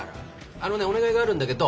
あのねお願いがあるんだけど。